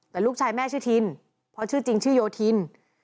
แต่ลูกชายแม่ชื่อทินเพราะชื่อจริงชื่อโยธิน